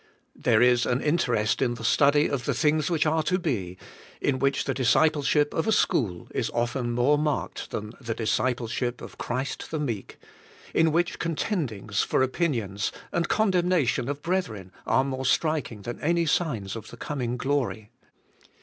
There is an interest in the study of the things which are to be, in which the discipleship of a school is often more marked than the discipleship of Christ the meek; in which con tendings for opinions and condemnation of brethren are more striking than any signs of the coming glory.